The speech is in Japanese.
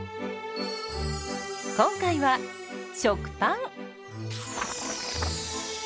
今回は食パン。